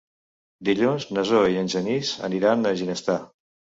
Dilluns na Zoè i en Genís aniran a Ginestar.